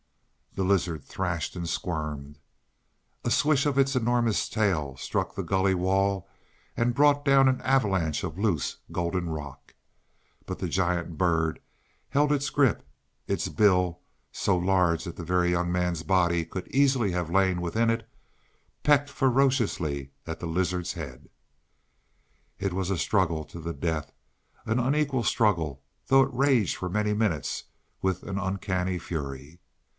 The lizard threshed and squirmed. A swish of its enormous tail struck the gully wall and brought down an avalanche of loose, golden rock. But the giant bird held its grip; its bill so large that the Very Young Man's body could easily have lain within it pecked ferociously at the lizard's head. It was a struggle to the death an unequal struggle, though it raged for many minutes with an uncanny fury.